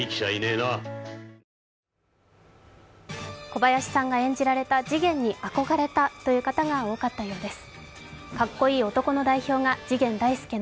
小林さんが演じられた次元に憧れたという方が多かったそうです。